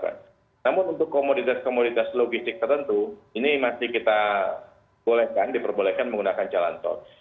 namun untuk komoditas komoditas logistik tertentu ini masih kita bolehkan diperbolehkan menggunakan jalan tol